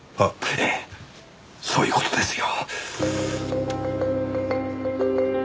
ええそういう事ですよ。